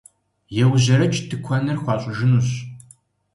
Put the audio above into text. Еужьэрэкӏ, тыкуэныр хуащӏыжынущ!